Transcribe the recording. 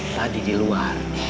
tadi di luar